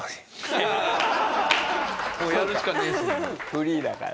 フリーだから。